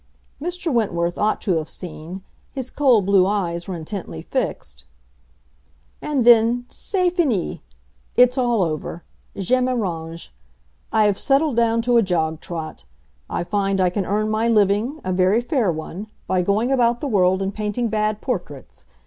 Mr. Wentworth ought to have seen; his cold blue eyes were intently fixed. "And then, c'est fini! It's all over. Je me range. I have settled down to a jog trot. I find I can earn my living—a very fair one—by going about the world and painting bad portraits.